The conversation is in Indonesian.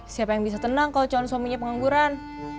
siapa yang bisa tenang kalau calon suaminya pengangguran